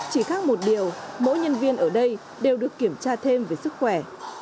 chỉ khác một điều mỗi nhân viên ở đây đều được kiểm tra thêm về sức khỏe